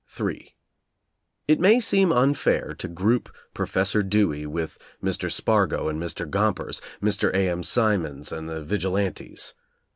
in It may seem unfair to group Professor Dewey with Mr. Spargo and Mr. Gompers, Mr. A. M. Simons, and the Vigilantes.